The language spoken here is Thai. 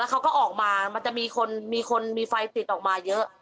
เขาก็ออกมามันจะมีคนมีคนมีไฟติดออกมาเยอะ